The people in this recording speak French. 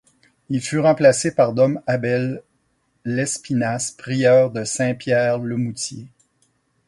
Il fut remplacé par Dom Abel Lespinasse, prieur de Saint-Pierre-le-Moutier.